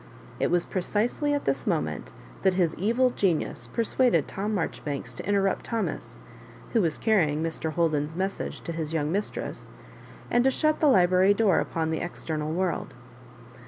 It was precisely at this moment that his evil genius persuaded Tom Marjoribanks to interrupt Thomas, who was car rying Mr* Holden's message to his young mis tress, and to shut the library door upon the external world.